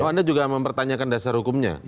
anda juga mempertanyakan dasar hukumnya